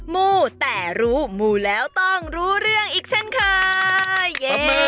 มู้แต่รู้มูแล้วต้องรู้เรื่องอีกเช่นเคย